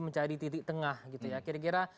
mencari titik tengah gitu ya kira kira